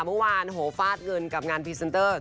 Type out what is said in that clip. เมื่อวานโหฟาดเงินกับงานพรีเซนเตอร์